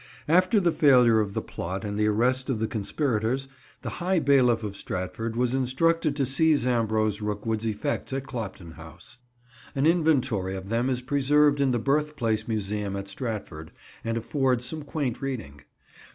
After the failure of the plot and the arrest of the conspirators, the High Bailiff of Stratford was instructed to seize Ambrose Rookwood's effects at Clopton House. An inventory of them is preserved in the Birthplace Museum at Stratford, and affords some quaint reading.